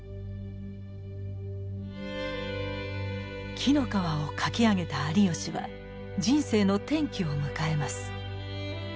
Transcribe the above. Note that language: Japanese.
「紀ノ川」を書き上げた有吉は人生の転機を迎えます。